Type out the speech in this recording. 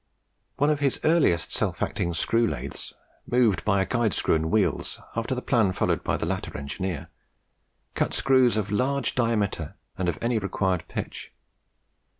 One of his earliest self acting screw lathes, moved by a guide screw and wheels after the plan followed by the latter engineer, cut screws of large diameter and of any required pitch.